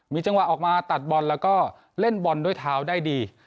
จังหวะออกมาตัดบอลแล้วก็เล่นบอลด้วยเท้าได้ดี